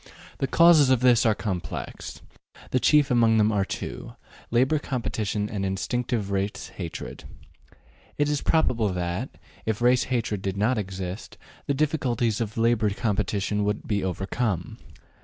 The causes of this are complex; the chief among them are two, labor competition and instinctive race hatred. It is probable that, if race hatred did not exist, the difficulties of labor competition could be overcome.